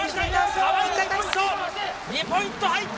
川井に２ポイント入った！